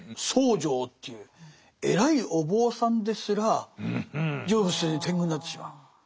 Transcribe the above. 僧正という偉いお坊さんですら成仏せずに天狗になってしまう。